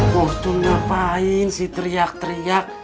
woh tuh ngapain sih teriak teriak